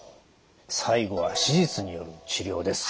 最後は手術による治療です。